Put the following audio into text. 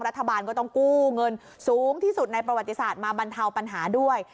รัฐบาลก็ต้องกู้เงินสูงที่สุดในประวัติศาสตร์มาบรรเทาปัญหาด้วย